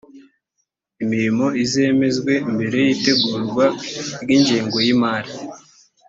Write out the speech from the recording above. imilimo izemezwe mbere y’ itegurwa ry ingengo y imari